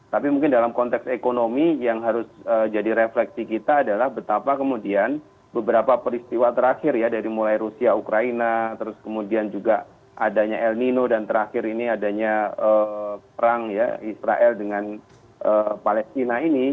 tapi mungkin dalam konteks ekonomi yang harus jadi refleksi kita adalah betapa kemudian beberapa peristiwa terakhir ya dari mulai rusia ukraina terus kemudian juga adanya el nino dan terakhir ini adanya perang ya israel dengan palestina ini